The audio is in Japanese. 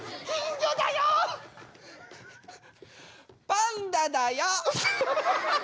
パンダだよ。